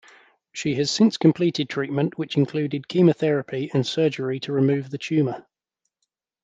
She has since completed treatment, which included chemotherapy and surgery to remove the tumor.